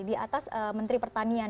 di atas menteri pertanian